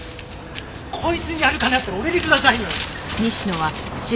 こいつにやる金あったら俺にくださいよ！